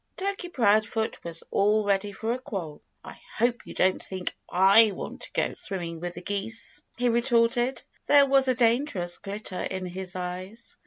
Turkey Proudfoot was all ready for a quarrel. "I hope you don't think I want to go swimming with the geese," he retorted. There was a dangerous glitter in his eyes.